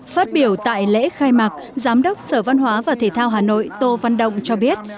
phát biểu tại lễ khai mạc giám đốc sở văn hóa và thể thao hà nội tô văn động cho biết